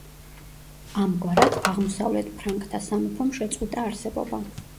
ამგვარად, აღმოსავლეთ ფრანკთა სამეფომ შეწყვიტა არსებობა.